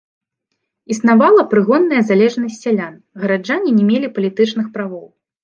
Існавала прыгонная залежнасць сялян, гараджане не мелі палітычных правоў.